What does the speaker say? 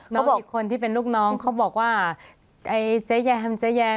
เขาบอกอีกคนที่เป็นลูกน้องเขาบอกว่าไอ้เจ๊แยมเจ๊แยม